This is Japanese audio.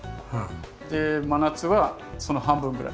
で真夏はその半分ぐらい。